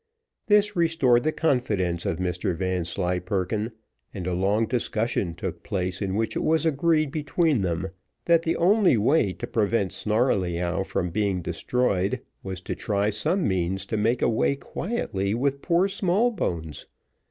This restored the confidence of Mr Vanslyperken, and a long discussion took place, in which it was agreed between them, that the only way to prevent Snarleyyow from being destroyed, was to try some means to make away quietly with poor Smallbones.